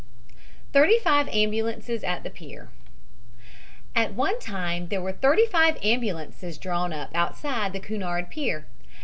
THIRTY FIVE AMBULANCES AT THE PIER At one time there were thirty five ambulances drawn up; outside the Cunard pier.